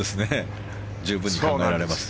十分に考えられます。